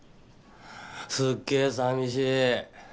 すっげぇさみしい。